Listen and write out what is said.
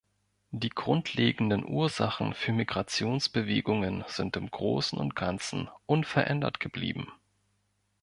Die grundlegenden Ursachen für Migrationsbewegungen sind im großen und ganzen unverändert geblieben.